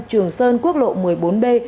trường sơn quốc lộ một mươi bốn b